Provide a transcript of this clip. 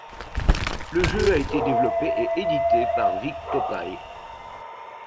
Le jeu a été développé et édité par Vic Tokai.